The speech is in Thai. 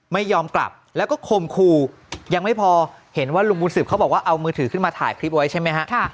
ไม่ยอมกลับแล้วก็คมคู่ยังไม่พอเห็นว่าลุงบุญสืบเขาบอกว่าเอามือถือขึ้นมาถ่ายคลิปไว้ใช่ไหมฮะ